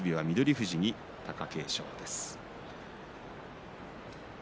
富士に貴景勝です。